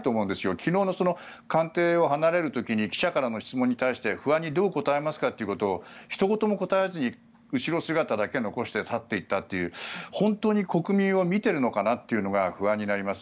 昨日の官邸を離れる時に記者からの質問に対して不安にどう答えますかということをひと言も答えずに後ろ姿だけ残して去っていったという本当に国民を見ているのかなっていうのが不安になります。